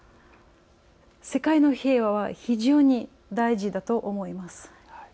世界の平和は非常に大事だと思います。